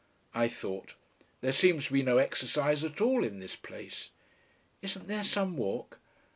I thought. "There seems to be no exercise at all in this place." "Isn't there some walk?"